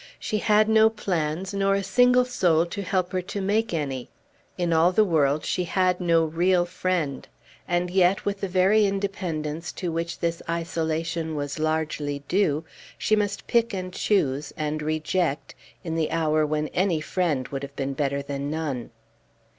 She had no plans, nor a single soul to help her to make any. In all the world she had no real friend. And yet, with the very independence to which this isolation was largely due, she must pick and choose, and reject, in the hour when any friend would have been better than none!